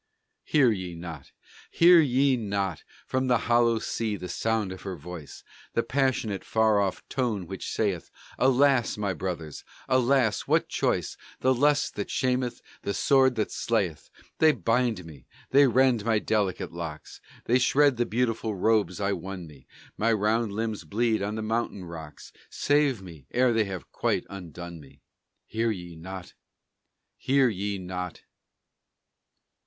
Hear ye not? Hear ye not From the hollow sea the sound of her voice; The passionate far off tone which sayeth: "Alas, my brothers! alas, what choice, The lust that shameth, the sword that slayeth? They bind me! they rend my delicate locks; They shred the beautiful robes I won me! My round limbs bleed on the mountain rocks: Save me, ere they have quite undone me!" Hear ye not?